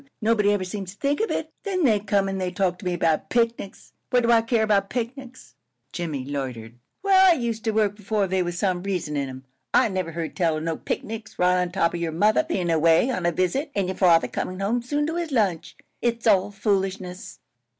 Nobody ever seems to think of it. Then they come and talk to me about picnics! What do I care about picnics?" Jimmie loitered. "Where I used to work b'fore, there was some reason in 'em. I never heard tell of no picnics right on top of your mother bein' away on a visit an' your father comin' home soon to his lunch. It's all foolishness."